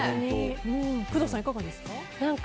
工藤さん、いかがですか？